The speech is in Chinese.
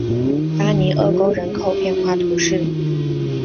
巴尼厄沟人口变化图示